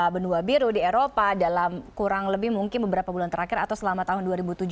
benua biru di eropa dalam kurang lebih mungkin beberapa bulan terakhir atau selama tahun dua ribu tujuh belas